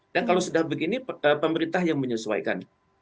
kalau sudah begini pemerintah yang menyesuaikan